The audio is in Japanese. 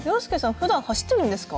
ふだん走ってるんですか？